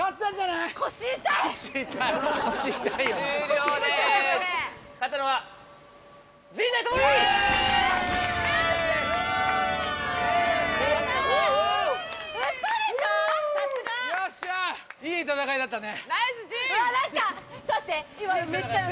「いい戦いだったね」。